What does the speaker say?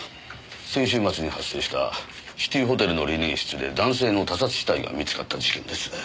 先週末に発生したシティホテルのリネン室で男性の他殺死体が見つかった事件です。